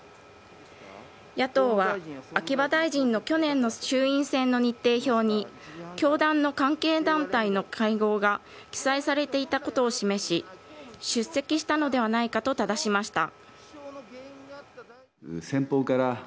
野党は秋葉大臣の去年の衆院選の日程表に教団の関係団体の会合が記載されていたことを示し出席したのではないかとただしました。